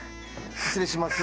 失礼します。